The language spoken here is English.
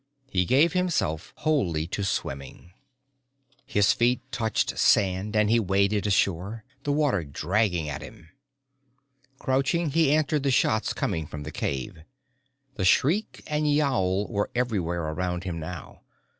He gave himself wholly to swimming. His feet touched sand and he waded ashore, the water dragging at him. Crouching, he answered the shots coming from the cave. The shriek and yowl were everywhere around him now.